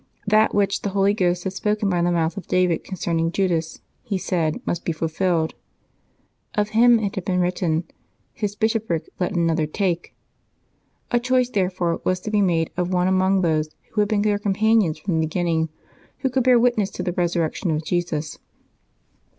That which the Holy Ghost had spoken by the mouth of David concern ing Judas, he said, must be fulfilled. Of him it had been written, " His bishopric let another take." A choice, there fore, was to be made of one among those who had been their companions from the beginning, who could bear wit ness to the Resurrection of Jesus.